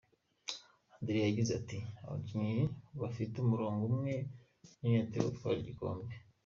Andreas yagize ati “Abakinnyi bafite umurongo umwe n’inyota yo gutwara igikombe.